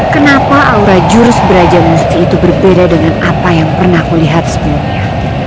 kenapa aura jurus beraja musuh itu berbeda dengan apa yang pernah kulihat sebelumnya